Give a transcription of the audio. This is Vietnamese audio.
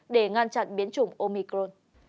để ngăn chặn biến chủng omicron